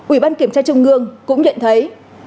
ủy ban kiểm tra trung ương cũng nhận thấy